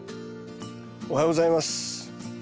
おはようございます。